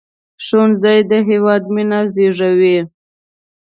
ښوونځی د هیواد مينه زیږوي